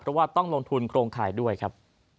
เพราะว่าต้องลงทุนโครงข่ายด้วยครับ